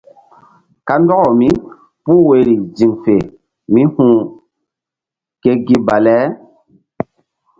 Kandɔkaw mípuh woyri ziŋ fe mí hu̧h ke gi bale.